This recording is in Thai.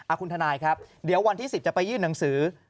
คุณทนายครับเดี๋ยววันที่๑๐จะไปยื่นหนังสือ